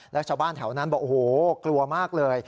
และชาวบ้านแถวนั้นกลัวมากเลย